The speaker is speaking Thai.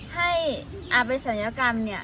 ให้อาเป็นศัลยกรรมเนี่ย